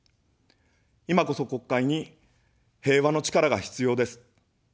いまこそ国会に平和の力が必要です。